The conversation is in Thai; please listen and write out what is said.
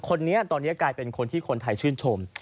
คนนี้ตอนนี้กลายเป็นคนที่คนไทยชื่นชม